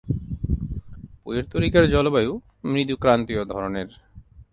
Puerto রিকোর জলবায়ু মৃদু ক্রান্তীয় ধরনের।